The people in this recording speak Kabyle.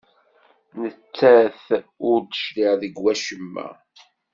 Nettat ur d-teclig deg wacemma.